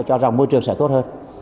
cho rằng môi trường sẽ tốt hơn